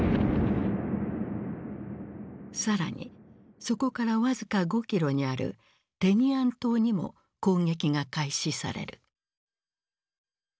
更にそこから僅か５キロにあるテニアン島にも攻撃が開始される。